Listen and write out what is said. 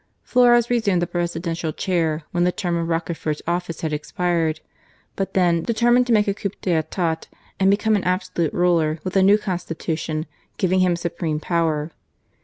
Flores resumed the Presidential chair when the term of Rocafjiierte's office had expired; but then, deter mined to make a coup d^etat, and become an absolute ruler, with a new Constitution, giving him supreme power.